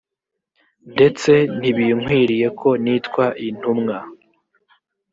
ndetse ntibinkwiriye ko nitwa intumwa